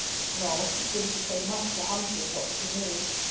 Nor was she free to say much to Humfrey of what she knew.